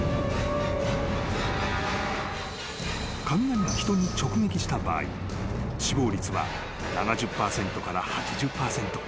［雷が人に直撃した場合死亡率は７０％から８０％］